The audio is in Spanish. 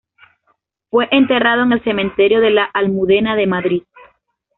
Fue enterrado en el Cementerio de la Almudena de Madrid.